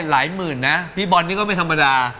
หลายหมื่นนะพี่บอลนี่ก็ไม่ธรรมดา